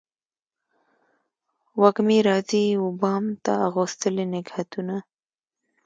وږمې راځي و بام ته اغوستلي نګهتونه